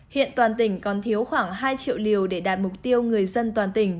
hiện toàn tỉnh còn thiếu khoảng hai triệu liều để đạt mục tiêu người dân toàn tỉnh